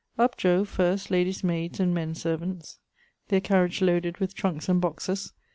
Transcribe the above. Up di ove, first, lady's maids and men servants, their carriage loaded with trunks and boxes.